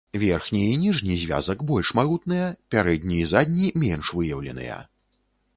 Верхні і ніжні звязак больш магутныя, пярэдні і задні менш выяўленыя.